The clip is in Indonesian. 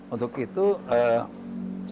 untuk itu ya kita harus ke tempat sorghum